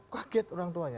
kaget orang tuanya